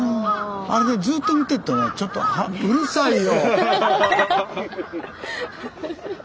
あれずっと見てっとねちょっとうるさいよ！